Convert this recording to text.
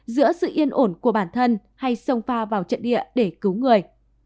giữa sự yên ổn của bản thân hay sông pha vào trận địa để cứu người